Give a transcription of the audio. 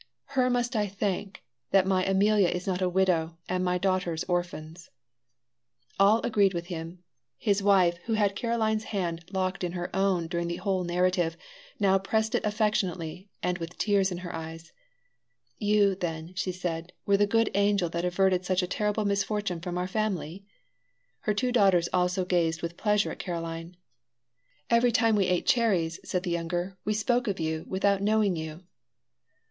Her must I thank that my Amelia is not a widow and my daughters orphans." All agreed with him. His wife, who had Caroline's hand locked in her own during the whole narrative, now pressed it affectionately and with tears in her eyes. "You, then," said she, "were the good angel that averted such a terrible misfortune from our family?" Her two daughters also gazed with pleasure at Caroline. "Every time we ate cherries," said the younger, "we spoke of you without knowing you."